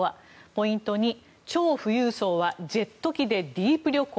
ポイント２、超富裕層はジェット機でディープ旅行。